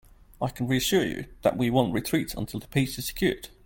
I can reassure you, that we won't retreat until the peace is secured.